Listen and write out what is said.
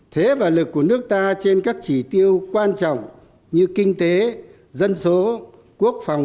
thế và lực của nước ta trên các chỉ tiêu quan trọng như kinh tế dân số quốc phòng